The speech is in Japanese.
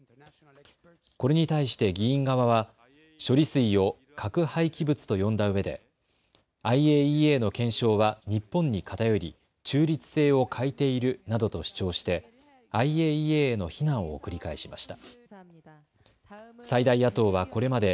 これに対して議員側は処理水を核廃棄物と呼んだうえでＩＡＥＡの検証は日本に偏り中立性を欠いているなどと主張してＩＡＥＡへの非難を繰り返しました。